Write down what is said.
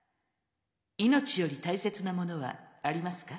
命より大切なものはありますか？